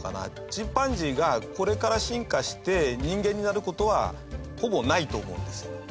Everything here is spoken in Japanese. チンパンジーがこれから進化して人間になる事はほぼないと思うんですよ。